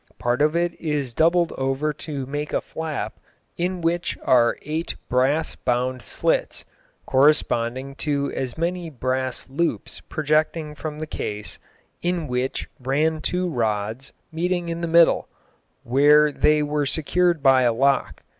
Part of it is doubled over to make a flap, in which are eight brass bound slits, corresponding to as many brass loops projecting from the case, in which ran two rods, meeting in the middle, where they were secured by a lock.